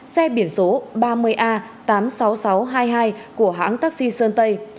xe biển số ba mươi a tám mươi sáu nghìn sáu trăm hai mươi hai của hãng taxi sơn tây